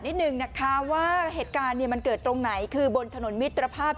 นิดนึงนะคะว่าเหตุการณ์มันเกิดตรงไหนคือบนถนนมิตรภาพ